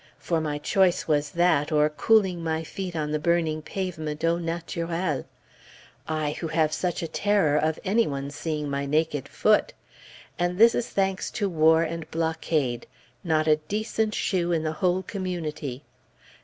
_ for my choice was that, or cooling my feet on the burning pavement au naturel; I who have such a terror of any one seeing my naked foot! And this is thanks to war and blockade! Not a decent shoe in the whole community!